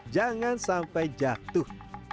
jangan sampai jatuh